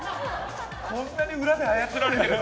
こんなに裏で操られるの？